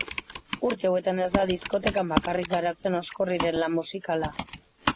Urte hauetan ez da diskoetan bakarrik garatzen Oskorriren lan musikala.